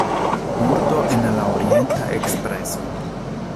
Murdo en la Orienta Ekspreso.